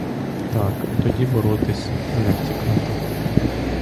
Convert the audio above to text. Так — тоді боротись, а не втікати.